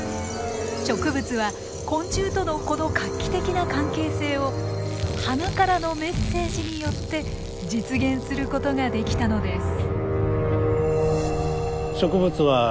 植物は昆虫とのこの画期的な関係性を花からのメッセージによって実現することができたのです。